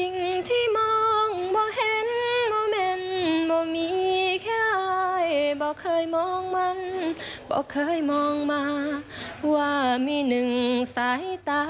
มีหนึ่งสายตาที่บอกว่าหากลาย